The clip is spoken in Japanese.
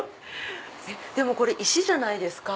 でもこれ石じゃないですか。